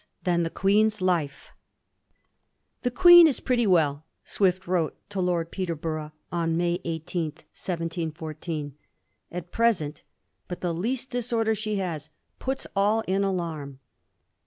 THAN THE QUEEN's LIFE !' *The Queen is pretty well/ Swift wrote to Lord Peterborough on May 18, 1714, *at present, but the least disorder she has puts all in alarm.'